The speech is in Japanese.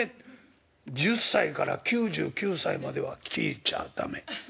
１０歳から９９歳までは聞いちゃ駄目。